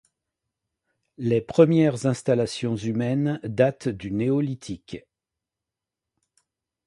Les premières installations humaines datent du néolithique.